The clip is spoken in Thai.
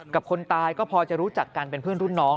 คนตายก็พอจะรู้จักกันเป็นเพื่อนรุ่นน้อง